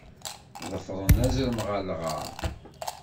Ḍefren azrem ɣer lɣar.